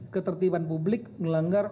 ketertiban publik melanggar